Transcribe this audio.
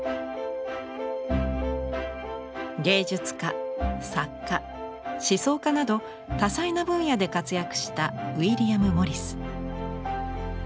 芸術家作家思想家など多彩な分野で活躍したウィリアム・モリス。